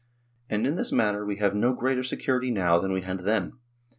And in this matter we have no greater security now than we had then.